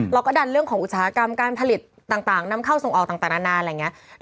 เราก็ดันเรื่องของอุตสาหกรรมการผลิตต่างนำเข้าส่งออกต่างนานอะไรอย่างนี้